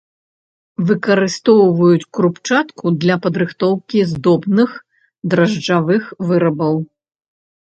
Выкарыстоўваюць крупчатку для падрыхтоўкі здобных дражджавых вырабаў.